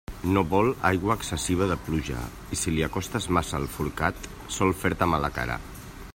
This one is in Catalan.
No vol aigua excessiva de pluja, i si li acostes massa el forcat, sol fer-te mala cara.